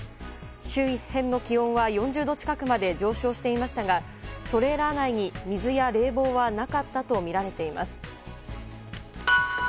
周辺の気温は４０度近くまで上昇していましたがトレーラー内に水や冷房はなかったとみられています。